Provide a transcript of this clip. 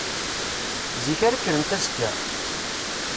Zik ara kkrent azekka?